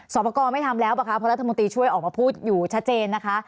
สอบประกอบไม่ทำแล้วป่ะคะเพราะรัฐมนตรีช่วยออกมาพูดอยู่ชัดเจนนะคะ